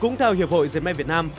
cúng tạo hiệp hội dệt may việt nam